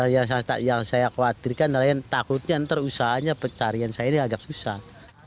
yang saya khawatirkan nelayan takutnya nanti usahanya pencarian saya ini agak susah